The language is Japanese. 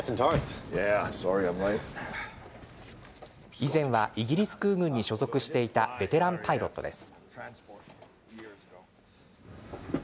以前はイギリス空軍に所属していたベテランパイロットです。